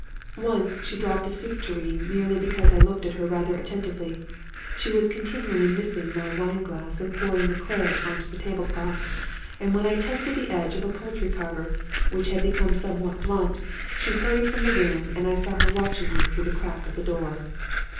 Once she dropped a soup tureen merely because I looked at her rather attentively; she was continually missing my wine glass and pouring the claret on to the table cloth; and when I tested the edge of a poultry carver, which had become somewhat blunt, she hurried from the room and I saw her watching me through the crack of the door.